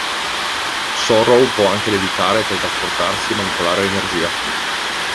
Sorrow può anche levitare, teletrasportarsi e manipolare l'energia.